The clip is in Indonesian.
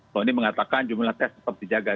pak oni mengatakan jumlah tes tetap dijaga